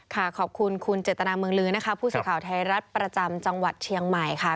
ขอบคุณคุณเจตนาเมืองลื้อนะคะผู้สื่อข่าวไทยรัฐประจำจังหวัดเชียงใหม่ค่ะ